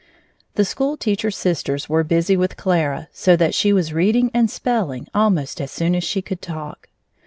The school teacher sisters were busy with Clara so that she was reading and spelling almost as soon as she could talk.